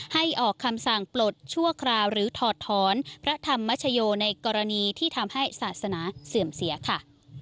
ออกคำสั่งปลดชั่วคราวหรือถอดถอนพระธรรมชโยในกรณีที่ทำให้ศาสนาเสื่อมเสียค่ะ